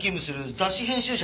雑誌編集者？